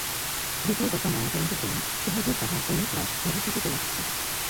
দ্বিতীয় দফা ময়নাতদন্তের জন্য সোহাগী জাহান তনুর লাশ কবর থেকে তোলা হচ্ছে।